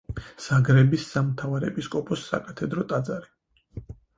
ზაგრების სამთავარეპისკოპოსოს საკათედრო ტაძარი.